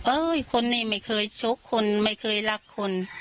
คนนี้ไม่เคยชกคนไม่เคยรักคน